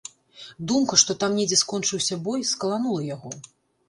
Думка, што там недзе скончыўся бой, скаланула яго.